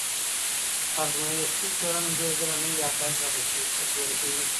ازمایښتي څېړنه ډېر ځله نوي حقایق راسربېره کوي.